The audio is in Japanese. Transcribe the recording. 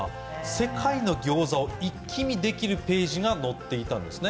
世界のギョウザを一気見できるページが載っていたんですね。